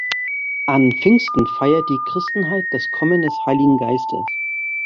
An Pfingsten feiert die Christenheit das Kommen des Heiligen Geistes.